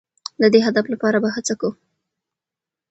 د دې هدف لپاره به هڅه کوو.